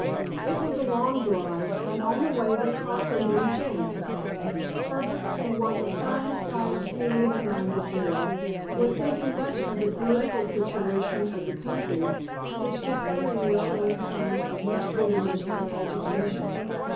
It was a long drive, and on the way they talked of many things. Herbert, who was a fine, quiet, serious minded boy, was thinking much of the political situation of the country, which this spring was showing signs of much bitterness and agitation.